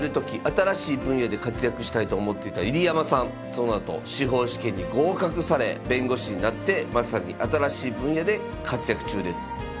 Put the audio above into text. そのあと司法試験に合格され弁護士になってまさに新しい分野で活躍中です。